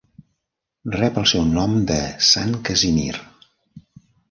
Rep el seu nom de Sant Casimir.